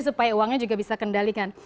supaya uangnya juga bisa kendalikan